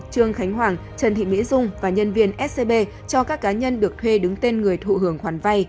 trương khánh hoàng trần thị mỹ dung và nhân viên scb cho các cá nhân được thuê đứng tên người thụ hưởng khoản vay